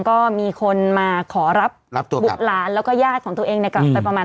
ก็มีคนมาขอรับตัวบุตรหลานแล้วก็ญาติของตัวเองกลับไปประมาณ